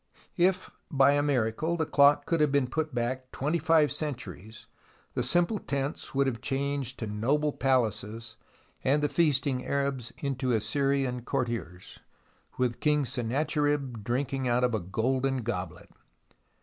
If by a miracle the clock could have been put back twenty five centuries, the simple tents would have changed to noble palaces and the feasting Arabs into Assyrian courtiers, with King Senna cherib drinking out of a golden goblet